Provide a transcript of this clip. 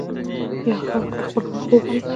یو غل ورته خپل خوب وايي.